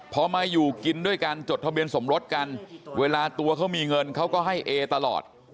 พอมาอยู่กินด้วยกันจดทะเบียนสมรสกันเวลาตัวเขามีเงินเขาก็ให้เอตลอด